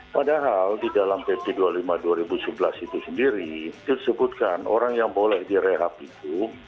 padahal di dalam pp dua puluh lima dua ribu sebelas itu sendiri disebutkan orang yang boleh direhab itu